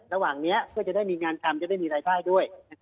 ระหว่างนี้เพื่อจะได้มีงานทำจะได้มีรายได้ด้วย